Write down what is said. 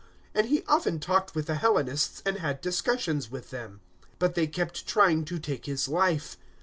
And he often talked with the Hellenists and had discussions with them. 009:030 But they kept trying to take his life.